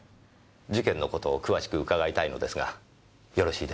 事件の事を詳しく伺いたいのですがよろしいですか？